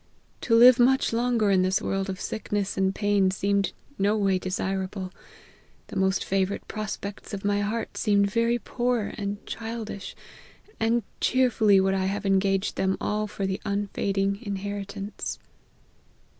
To live much longer in this world of sickness and pain seemed no way desirable ; the most favourite pros ' pects of my heart seemed very poor and childish ; and cheerfully would I have exchanged them all for the unfading inheritance."